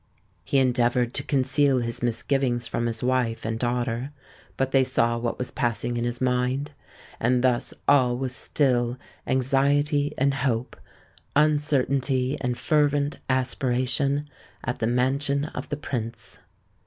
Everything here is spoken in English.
He endeavoured to conceal his misgivings from his wife and daughter: but they saw what was passing in his mind;—and thus all was still anxiety and hope—uncertainty and fervent aspiration, at the mansion of the Prince.